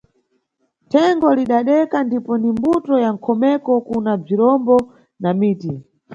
Thengo lidadeka ndipo nimbuto ya nʼkhomeko kuna bzirombo na miti.